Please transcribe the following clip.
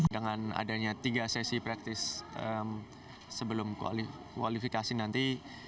dengan adanya tiga sesi praktis sebelum kualifikasi nanti